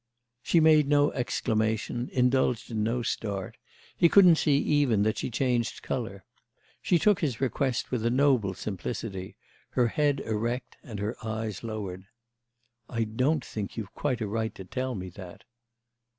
She made no exclamation, indulged in no start; he couldn't see even that she changed colour. She took his request with a noble simplicity, her head erect and her eyes lowered. "I don't think you've quite a right to tell me that."